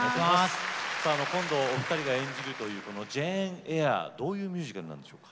さあ今度お二人が演じるというこの「ジェーン・エア」どういうミュージカルなんでしょうか。